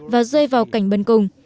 và rơi vào cảnh bần cùng